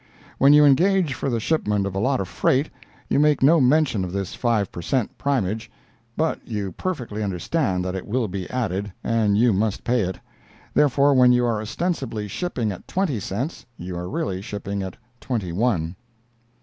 When you engage for the shipment of a lot of freight, you make no mention of this five per cent. primage, but you perfectly understand that it will be added, and you must pay it; therefore, when you are ostensibly shipping at twenty cents, you are really shipping at twenty one.